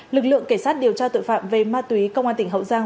lực lượng cảnh sát điều tra tội phạm về ma túy công an tỉnh hậu giang